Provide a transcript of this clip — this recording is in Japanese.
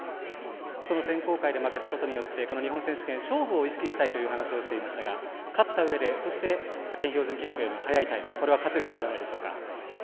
その選考会で負けたことによって日本選手権、勝負を意識したいという話をしていましたが勝ったうえでそして、派遣標準記録の早いタイムこれは価値があるんじゃないでしょうか？